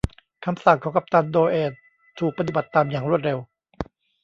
คำสั่งของกัปตันโดแอนถูกปฏิบัติตามอย่างรวดเร็ว